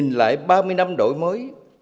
nhìn lại ba mươi năm đổi mới